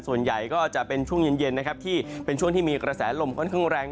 ส่วนใหญ่ก็จะเป็นช่วงเย็นนะครับที่เป็นช่วงที่มีกระแสลมค่อนข้างแรง